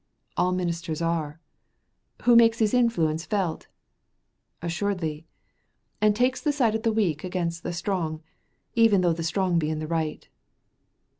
"All ministers are." "Who makes his influence felt." "Assuredly." "And takes the side of the weak against the strong, even though the strong be in the right."